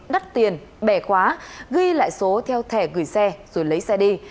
đắt tiền bẻ khóa ghi lại số theo thẻ gửi xe rồi lấy xe đi